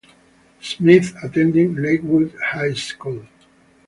Smith attended Lakewood High School.